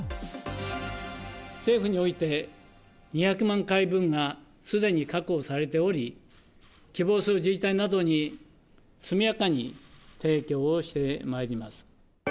政府において、２００万回分がすでに確保されており、希望する自治体などに速やかに提供をしてまいります。